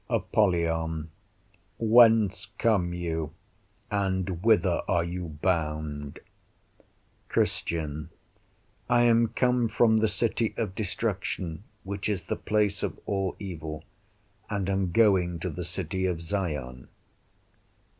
Apollyon Whence come you? and whither are you bound? Christian I am come from the City of Destruction, which is the place of all evil, and am going to the City of Zion.